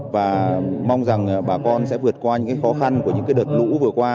và mong rằng bà con sẽ vượt qua những cái khó khăn của những cái đợt lũ vừa qua